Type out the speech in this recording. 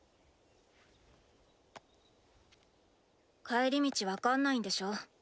帰り道分かんないんでしょ？